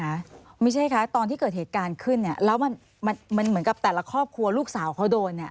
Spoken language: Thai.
คะไม่ใช่คะตอนที่เกิดเหตุการณ์ขึ้นเนี่ยแล้วมันมันเหมือนกับแต่ละครอบครัวลูกสาวเขาโดนเนี่ย